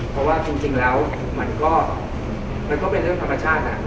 เพราะว่าจริงแล้วมันก็เป็นเรื่องธรรมชาติ